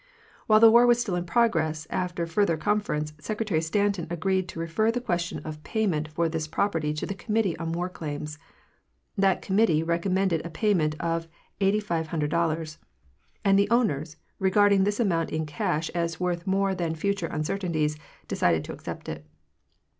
While the war was still in progress, after further con ference, Secretary Stanton agreed to refer the question of pay ment for this property to the Committee on War Claims. That committee recommended a payment of $8,590, and the owners, regarding this amount in cash as worth more than future uncer tainties, decided to accept it.